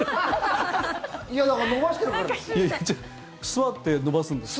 いや、だから伸ばしてるからです。